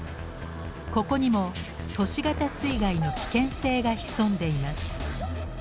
ここにも都市型水害の危険性が潜んでいます。